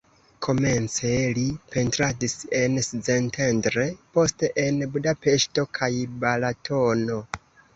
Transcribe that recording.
Komence li pentradis en Szentendre, poste en Budapeŝto kaj Balatono.